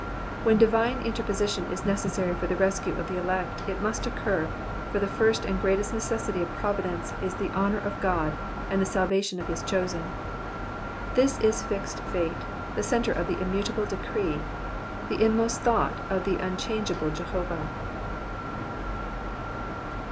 When divine inter position is necessary for the rescue of the elect it must occur, for the first and greatest necessity of providence is the honour of God, and the salvation of his chosen. This is fixed fate, the centre of the immutable decree, the inmost thought of the unchangeable Jehovah.